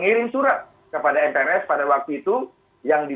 diatur suatu syarat limitatif